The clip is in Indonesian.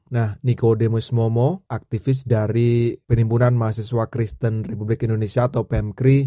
nah niko demus momo aktivis dari penimbunan mahasiswa kristen republik indonesia atau pemkri